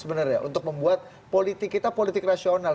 sebenarnya untuk membuat politik kita politik rasional